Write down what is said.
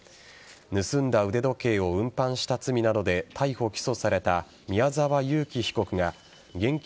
盗んだ腕時計を運搬した罪などで逮捕・起訴された宮沢優樹被告が現金